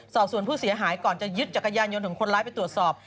สอบส่วนผู้เสียหายก่อนจะยึดจักรยานยนต์ของคนร้ายไปตรวจสอบ